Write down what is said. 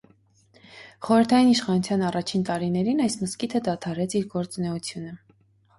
Խորհրդային իշխանության առաջին տարիներին այս մզկիթը դադարեց իր գործունեությունը։